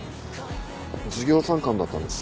授業参観だったんです。